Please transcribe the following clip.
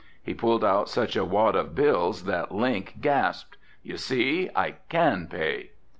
He pulled out such a wad of bills that Link gasped. "You see, I can pay."